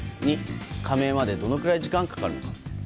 ２、加盟までどのくらい時間がかかるのか。